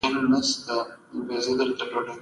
له نړۍ زده کړه وکړو.